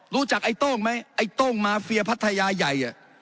ไอ้โต้งไหมไอ้โต้งมาเฟียพัทยาใหญ่